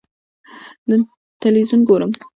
ه تلویزیون ګورم.